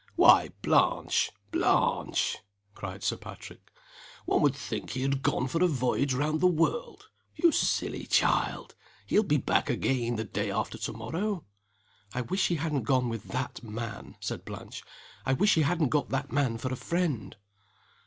"Why, Blanche! Blanche!" cried Sir Patrick, "one would think he had gone for a voyage round the world. You silly child! he will be back again the day after to morrow." "I wish he hadn't gone with that man!" said Blanche. "I wish he hadn't got that man for a friend!"